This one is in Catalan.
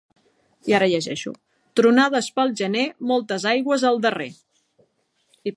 Tronades pel gener, moltes aigües al darrer.